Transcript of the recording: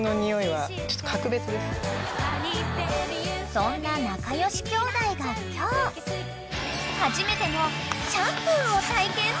［そんな仲良しきょうだいが今日はじめてのシャンプーを体験するぞ］